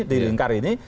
di lingkar ini